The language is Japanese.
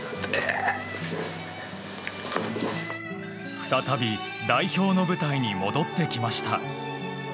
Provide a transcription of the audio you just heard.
再び代表の舞台に戻ってきました。